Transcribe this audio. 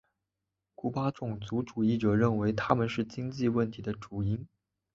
古巴种族主义者认为他们是经济问题的主因。